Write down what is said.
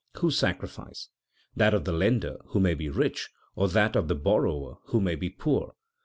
Whose sacrifice? That of the lender, who may be rich, or that of the borrower, who may be poor?